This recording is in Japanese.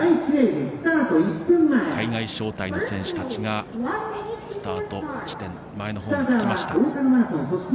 海外招待の選手たちがスタート地点前の方につきました。